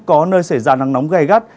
có nơi xảy ra nắng nóng gây gắt